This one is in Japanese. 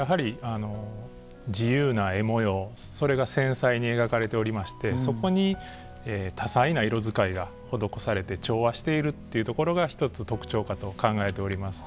自由な模様それが描かれていてそこに多彩な色使いが施されて調和しているというところが一つ特徴かと考えております。